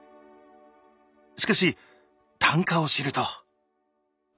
しかし単価を知ると。